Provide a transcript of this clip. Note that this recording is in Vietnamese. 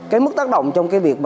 cái mức tác động trong cái việc